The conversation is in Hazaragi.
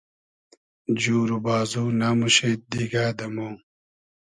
جور و بازو نئموشید دیگۂ دۂ مۉ